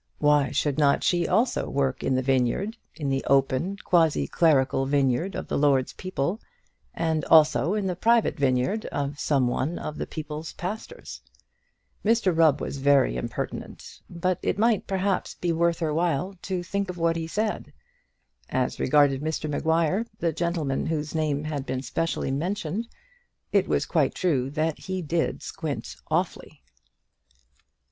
Why should not she also work in the vineyard, in the open quasiclerical vineyard of the Lord's people, and also in the private vineyard of some one of the people's pastors? Mr Rubb was very impertinent, but it might, perhaps, be worth her while to think of what he said. As regarded Mr Maguire, the gentleman whose name had been specially mentioned, it was quite true that he did squint awfully.